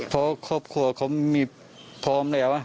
เพราะครอบครัวเขามีพร้อมแล้ว